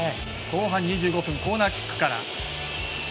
後半２５分、コーナーキックから。